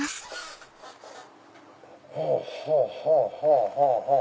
はぁはぁはぁはぁ。